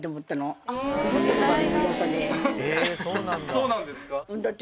そうなんですか？